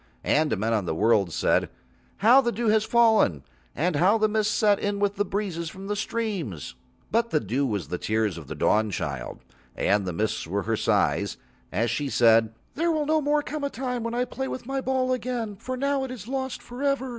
And men on the world said: "How the dew has fallen, and how the mists set in with breezes from the streams." But the dew was the tears of the Dawnchild, and the mists were her sighs when she said: "There will no more come a time when I play with my ball again, for now it is lost for ever."